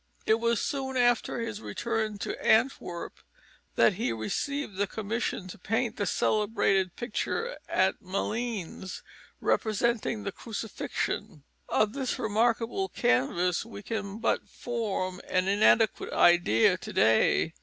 It was soon after his return to Antwerp that he received the commission to paint the celebrated picture at Malines representing the Crucifixion. Of this remarkable canvas we can but form an inadequate idea to day.